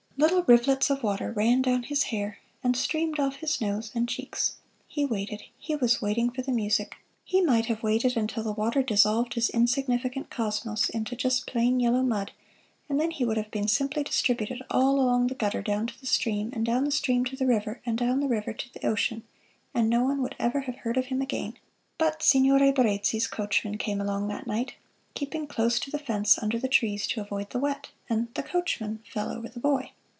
Little rivulets of water ran down his hair and streamed off his nose and cheeks. He waited he was waiting for the music. He might have waited until the water dissolved his insignificant cosmos into just plain, yellow mud, and then he would have been simply distributed all along the gutter down to the stream, and down the stream to the river, and down the river to the ocean; and no one would ever have heard of him again. But Signore Barezzi's coachman came along that night, keeping close to the fence under the trees to avoid the wet; and the coachman fell over the boy.